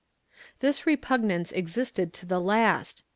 * This repugnance existed to the last.